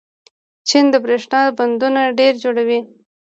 چین د برښنا بندونه ډېر جوړوي.